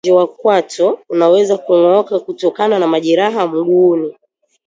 Upande wa nje wa kwato unaweza kung'ooka kutokana na majeraha mguuni